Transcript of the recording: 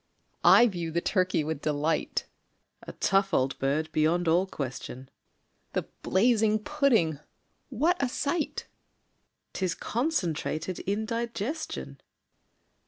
) I view the turkey with delight, (A tough old bird beyond all question!) The blazing pudding what a sight! ('Tis concentrated indigestion!